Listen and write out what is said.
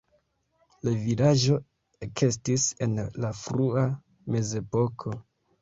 La vilaĝo ekestis en la frua Mezepoko.